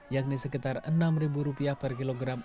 yakni sekitar rp enam per kilogram